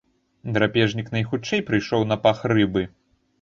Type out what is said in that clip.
Драпежнік найхутчэй прыйшоў на пах рыбы.